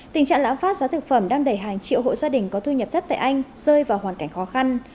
tình trạng lãm phát giá thực phẩm đang đẩy hàng triệu hộ gia đình có thu nhập thấp tại anh rơi vào hoàn cảnh khó khăn